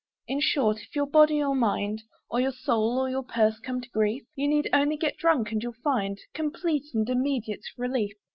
In short, if your body or mind Or your soul or your purse come to grief, You need only get drunk, and you'll find Complete and immediate relief.